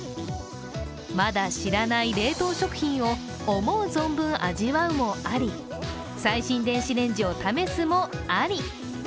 まだ知らない冷凍食品を思う存分味わうもあり最新電子レンジを試すもあり。